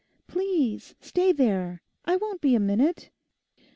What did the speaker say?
'Please stay there; I won't be a minute.